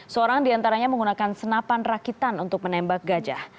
seorang diantaranya menggunakan senapan rakitan untuk menembak gajah